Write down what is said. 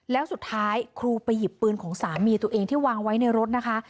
แล้วสุดท้ายครูไปหยิบปืนของสามีตัวเองที่วางไว้ในรถนะคะ